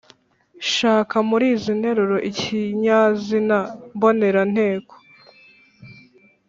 shaka muri izi nteruro ikinyazina mboneranteko,